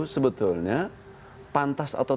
sebetulnya pantas atau